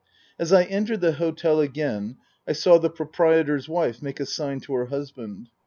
As I entered the hotel again I saw the proprietor's wife make a sign to her husband.